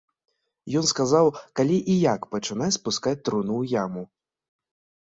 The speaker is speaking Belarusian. Ён сказаў, калі і як пачынаць спускаць труну ў яму.